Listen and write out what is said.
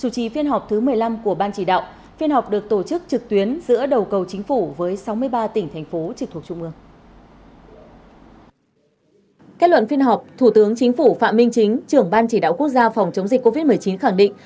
chính phủ phạm minh chính trưởng ban chỉ đạo quốc gia phòng chống dịch covid một mươi chín khẳng định